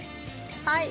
はい。